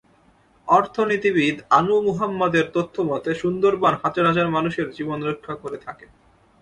অর্থনীতিবিদ আনু মুহাম্মদের তথ্যমতে, সুন্দরবন হাজার হাজার মানুষের জীবন রক্ষা করে থাকে।